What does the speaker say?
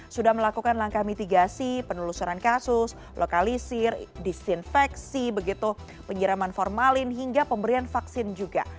sudah melakukan langkah mitigasi penelusuran kasus lokalisir disinfeksi penyiraman formalin hingga pemberian vaksin juga